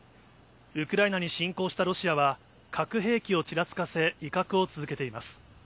ウクライナに侵攻したロシアは、核兵器をちらつかせ、威嚇を続けています。